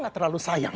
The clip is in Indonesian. gak terlalu sayang